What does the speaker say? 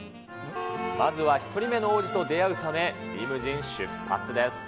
まずは１人目の王子と出会うため、リムジン出発です。